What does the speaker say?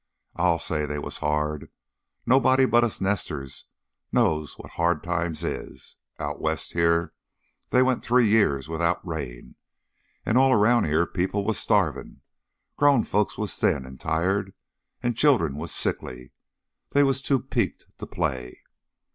"I'll say they was hard! Nobody but us nesters knows what hard times is. Out west of here they went three years without rain, and all around here people was starvin'. Grown folks was thin and tired, and children was sickly they was too peaked to play.